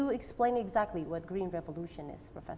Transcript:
bisa anda menjelaskan apa itu revolusi hijau prof